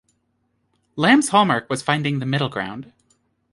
Lamb's hallmark was finding the middle ground.